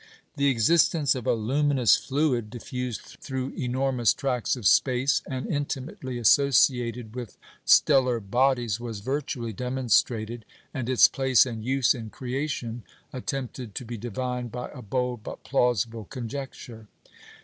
The existence of a luminous fluid, diffused through enormous tracts of space, and intimately associated with stellar bodies, was virtually demonstrated, and its place and use in creation attempted to be divined by a bold but plausible conjecture.